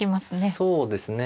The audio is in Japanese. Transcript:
そうですね。